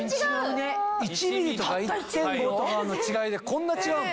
１ｍｍとか１．５とかの違いでこんな違うの？